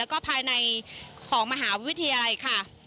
แล้วก็ภายในของมหาวิทยาลัยธรรมศาสตร์ค่ะ